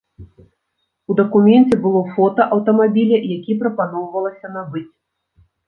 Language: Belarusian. У дакуменце было фота аўтамабіля, які прапаноўвалася набыць.